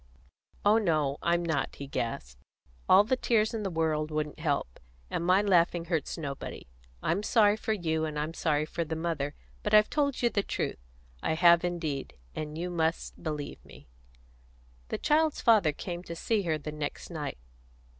"Oh no, I'm not," he gasped. "All the tears in the world wouldn't help; and my laughing hurts nobody. I'm sorry for you, and I'm sorry for the mother; but I've told you the truth I have indeed; and you must believe me." The child's father came to see her the next night.